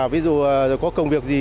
ví dụ có công việc gì